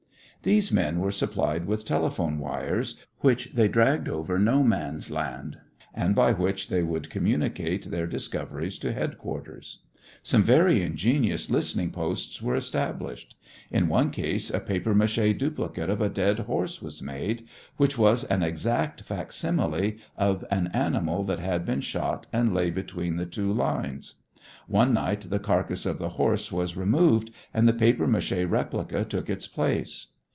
These men were supplied with telephone wires which they dragged over No Man's Land, and by which they could communicate their discoveries to headquarters. Some very ingenious listening posts were established. In one case a papier mâché duplicate of a dead horse was made, which was an exact facsimile of an animal that had been shot and lay between the two lines. One night, the carcass of the horse was removed and the papier mâché replica took its place.